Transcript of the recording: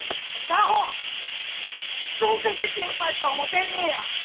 どんだけ心配した思てんねや！